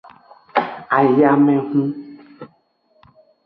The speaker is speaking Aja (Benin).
Ayamehun.